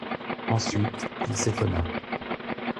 Ensuite, il s'étonna.